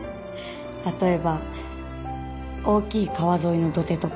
例えば大きい川沿いの土手とか。